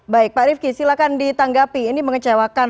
baik pak rifki silahkan ditanggapi ini mengecewakan